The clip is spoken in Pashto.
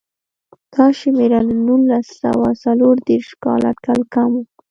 دا شمېر له نولس سوه څلور دېرش کال اټکل کم و.